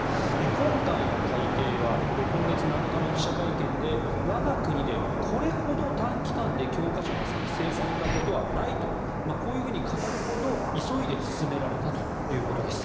今回の改訂は今月７日の記者会見で我が国でこれほど短期間で教科書が作成されたことはないと語るほど、急いで進められたということです。